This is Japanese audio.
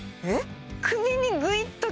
えっ？